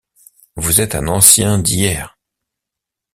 Vous êtes un ancien d’hier.